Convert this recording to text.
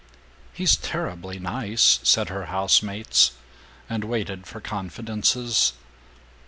"He's terribly nice," said her housemates, and waited for confidences.